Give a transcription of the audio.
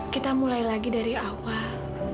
kita mulai lagi dari awal